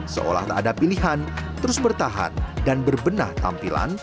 seolah tak ada pilihan terus bertahan dan berbenah tampilan